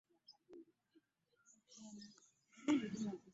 Yamugamba nti wewanikira wano naye tomanyi nsi era tonnalaba .